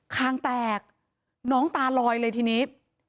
คางแตกน้องตาลอยเลยทีนี้